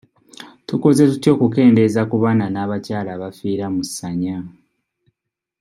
Tukoze tutya okukendeeza ku baana n'abakyala abafiira mu ssanya?